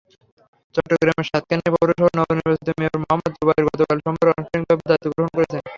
চট্টগ্রামের সাতকানিয়া পৌরসভায় নবনির্বাচিত মেয়র মোহাম্মদ জোবায়ের গতকাল সোমবার আনুষ্ঠানিকভাবে দায়িত্ব গ্রহণ করেছেন।